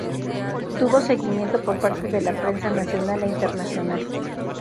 Tuvo seguimiento por parte de la prensa nacional e internacional.